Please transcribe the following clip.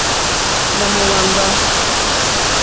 Nà mò wàŋɡbá.